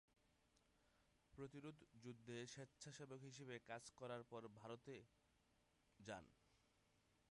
প্রতিরোধযুদ্ধে স্বেচ্ছাসেবক হিসেবে কাজ করার পর ভারতে যান।